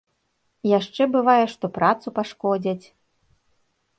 Яшчэ бывае, што працу пашкодзяць.